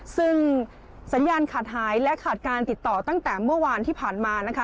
ซึ่งสัญญาณขาดหายและขาดการติดต่อตั้งแต่เมื่อวานที่ผ่านมานะคะ